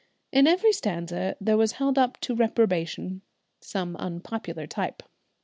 In every stanza there was held up to reprobation some unpopular type.